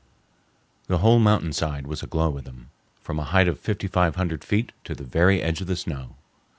The whole mountainside was aglow with them, from a height of fifty five hundred feet to the very edge of the snow.